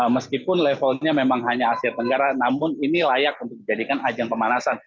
meskipun levelnya memang hanya asia tenggara namun ini layak untuk dijadikan ajang pemanasan